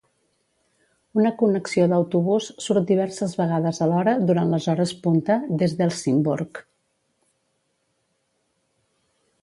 Una connexió d'autobús surt diverses vegades a l'hora durant les hores punta des d'Helsingborg.